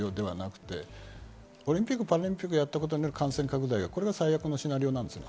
オリンピック・パラリンピックをやったことにある感染拡大が最悪なシナリオなんです。